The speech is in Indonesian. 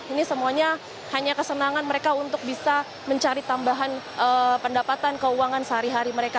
ini semuanya hanya kesenangan mereka untuk bisa mencari tambahan pendapatan keuangan sehari hari mereka